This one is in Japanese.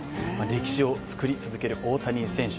歴史を作り続ける大谷選手。